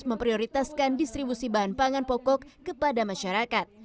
memprioritaskan distribusi bahan pangan pokok kepada masyarakat